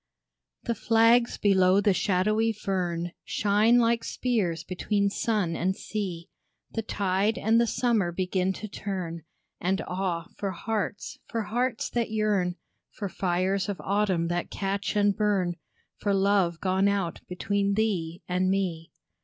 THE flags below the shadowy fern Shine like spears between sun and sea, The tide and the summer begin to turn, And ah, for hearts, for hearts that yearn, For fires of autumn that catch and burn, For love gone out between thee and me.